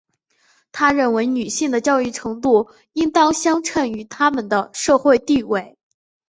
她认为女性的教育程度应当相称于她们的社会地位。